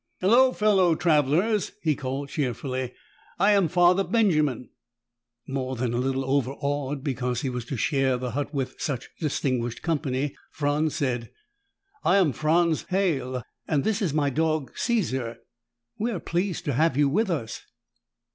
"Hello, fellow travelers!" he called cheerfully. "I am Father Benjamin." More than a little overawed because he was to share the hut with such distinguished company, Franz said, "I am Franz Halle and this is my dog, Caesar. We are pleased to have you with us."